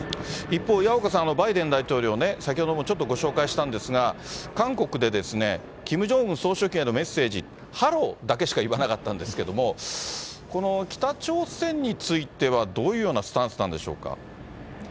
一方、矢岡さん、バイデン大統領ね、先ほどもちょっとご紹介したんですが、韓国でキム・ジョンウン総書記へのメッセージ、ハローだけしか言わなかったんですけれども、この北朝鮮についてはどういうようなスタンスなんでしょうか。